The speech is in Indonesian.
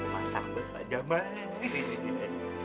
masak bu pak jamal